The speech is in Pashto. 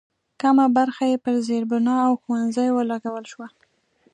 کمه برخه یې پر زېربنا او ښوونځیو ولګول شوه.